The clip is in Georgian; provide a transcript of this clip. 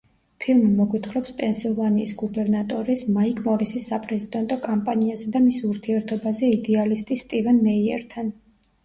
ფილმი მოგვითხრობს პენსილვანიის გუბერნატორის, მაიკ მორისის საპრეზიდენტო კამპანიაზე და მის ურთიერთობაზე იდეალისტი სტივენ მეიერთან.